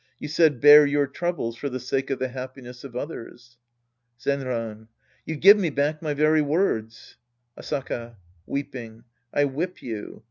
You said, " Bear your troubles for the sake of the happiness of others." Zenran. You give me back my very words ! Asaka {peeping'). I whip you.